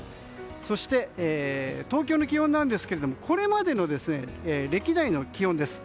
そして、東京の気温なんですけれどもこれまでの歴代の気温です。